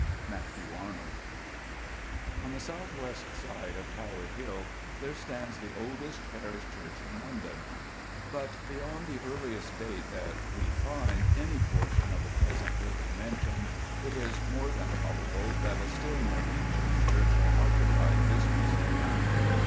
MATTHEW ARNOLD. On the south west side of Tower Hill there stands the oldest parish church in London. But beyond the earliest date that we find any portion of the present building mentioned, it is more than probable that a still more ancient church occupied this piece of ground.